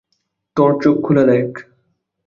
তোর চোখ খুলে দেখ!